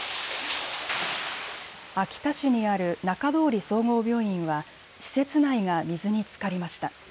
秋田市にある中通総合病院は施設内が水につかりました。